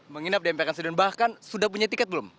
menginap di emperan stadion bahkan sudah punya tiket belum